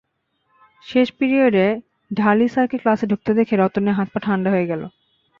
শেষ পিরিয়ডে ঢালি স্যারকে ক্লাসে ঢুকতে দেখে রতনের হাত-পা ঠান্ডা হয়ে গেল।